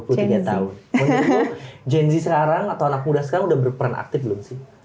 menurutku genzi sekarang atau anak muda sekarang sudah berperan aktif belum sih